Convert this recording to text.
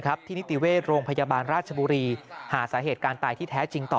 ที่นิติเวชโรงพยาบาลราชบุรีหาสาเหตุการณ์ตายที่แท้จริงต่อ